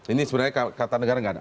ini sebenarnya kata negara tidak ada